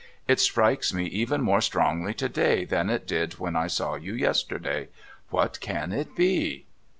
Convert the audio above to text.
It strikes me even more strongly to day, than it did when I saw you yesterday. What can it be